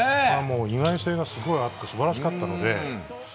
意外性がすごいあって素晴らしかったので。